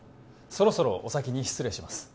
そろそろお先に失礼します